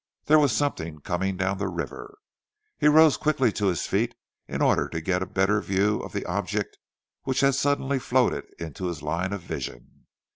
There was something coming down the river. He rose quickly to his feet in order to get a better view of the object which had suddenly floated into his line of vision.